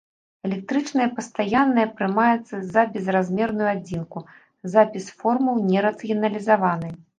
Электрычная пастаянная прымаецца за безразмерную адзінку, запіс формул не рацыяналізаваны.